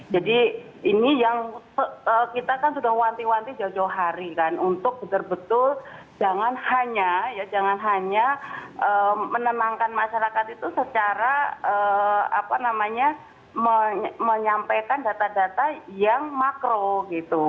jadi ini yang kita kan sudah wanti wanti jauh jauh hari kan untuk betul betul jangan hanya menenangkan masyarakat itu secara menyampaikan data data yang makro gitu